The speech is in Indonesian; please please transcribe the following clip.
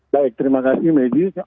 baik terima kasih meji